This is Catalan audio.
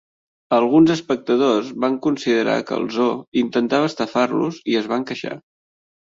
Alguns espectadors van considerar que el zoo intentava estafar-los i es van queixar.